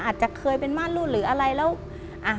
อาจจะเคยเป็นมารุ่นหรืออะไรแล้ว